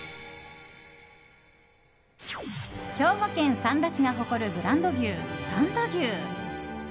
兵庫県三田市が誇るブランド牛三田牛。